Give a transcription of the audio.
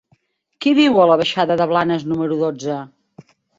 Qui viu a la baixada de Blanes número dotze?